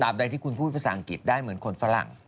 ใดที่คุณพูดภาษาอังกฤษได้เหมือนคนฝรั่ง